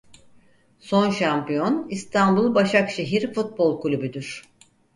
Son şampiyon İstanbul Başakşehir Futbol Kulübüdür.